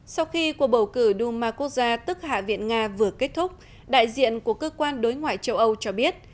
sau khi cuộc bầu cử duma quốc gia tức hạ viện nga vừa kết thúc đại diện của cơ quan đối ngoại châu âu cho biết